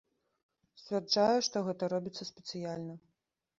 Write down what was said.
Сцвярджае, што гэта робіцца спецыяльна.